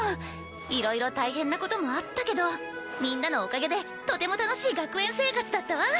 いろいろ大変なこともあったけどみんなのおかげでとても楽しい学園生活だったわ。